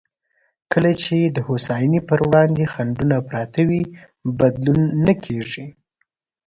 کله چې د هوساینې پر وړاندې خنډونه پراته وي، بدلون نه کېږي.